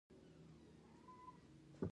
د نیولو وخت ماښام شپږ څلویښت ثبتوي.